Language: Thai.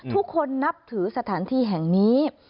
ทุกคนนับถือสถานที่แห่งนี้